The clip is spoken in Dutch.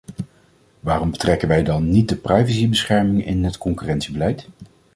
Waarom betrekken wij dan niet de privacybescherming in het concurrentiebeleid?